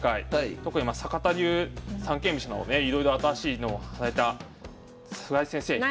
特に阪田流三間飛車のねいろいろ新しいのをされた菅井先生